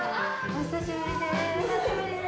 お久しぶりです。